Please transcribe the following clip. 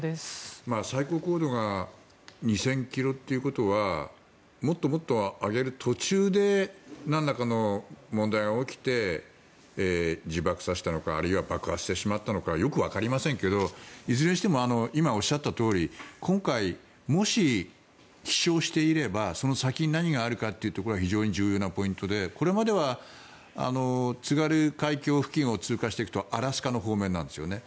最高高度が２０００ｋｍということはもっともっと上げる途中でなんらかの問題が起きて自爆させたのかあるいは爆破してしまったのかよくわかりませんけどいずれにしても今おっしゃったとおり今回、もし飛翔していればその先に何があるのかというところが非常に重要なポイントでこれまでは津軽海峡付近を通過していくとアラスカの方面なんですよね。